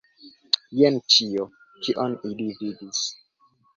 Jen ĉio, kion ili vidis.